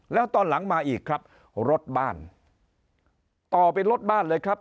แล้วตอนหลังมาอีกครับรถบ้านต่อเป็นรถบ้านเลยครับ